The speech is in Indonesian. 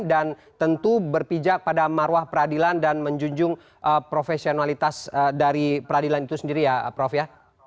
dan tentu berpijak pada marwah peradilan dan menjunjung profesionalitas dari peradilan itu sendiri ya prof ya